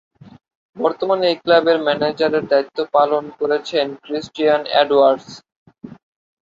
বর্তমানে এই ক্লাবের ম্যানেজারের দায়িত্ব পালন করছেন ক্রিস্টিয়ান এডওয়ার্ডস।